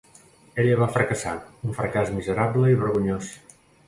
Ella va fracassar, un fracàs miserable i vergonyós.